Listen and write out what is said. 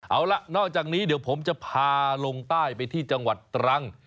เอาล่ะนอกจากนี้เดี๋ยวผมจะพาลงใต้ไปที่จังหวัดตรัง